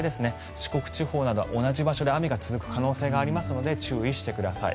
四国地方など同じ場所で雨が続く可能性がありますので注意してください。